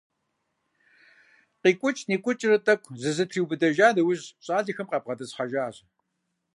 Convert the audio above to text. КъикӀукӀ-никӀукӀыурэ тӀэкӀу зызэтриубыдэжа нэужь, щӀалэхэм къабгъэдэтӀысхьэжащ.